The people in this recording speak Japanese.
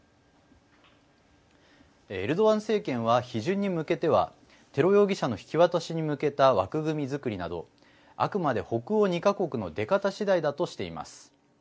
エルドアン政権は批准に向けてはテロ容疑者の引き渡しに向けた枠組みづくりなどあくまで北欧２か国の出方次第だとしています。